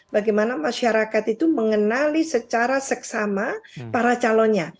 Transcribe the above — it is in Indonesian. bagaimana masyarakat itu mengenali secara seksama para calonnya